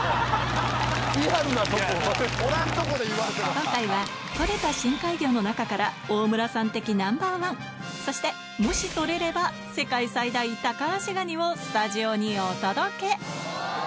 今回は、取れた深海魚の中から大村さん的ナンバー１。そしてもし取れれば、世界最大タカアシガニをスタジオにお届け。